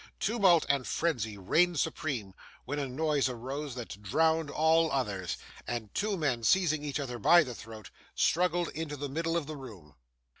Tumult and frenzy reigned supreme; when a noise arose that drowned all others, and two men, seizing each other by the throat, struggled into the middle of the room.